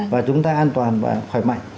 và chúng ta an toàn và khỏe mạnh